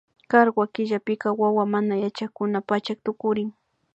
Karwa killapika wawa manayachakuna pachak tukurin